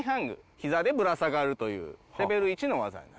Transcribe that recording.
ひざでぶら下がるというレベル１の技になります。